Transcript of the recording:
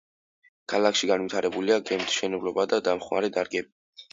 ქალაქში განვითარებულია გემთმშენებლობა და დამხმარე დარგები.